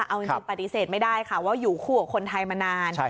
เอาจริงปฏิเสธไม่ได้ค่ะว่าอยู่คู่กับคนไทยมานาน